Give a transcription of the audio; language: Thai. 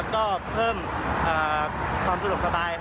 ก็เพิ่มความสะดวกสบาย